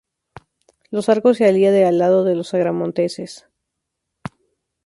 Los Arcos se alía del lado de los agramonteses.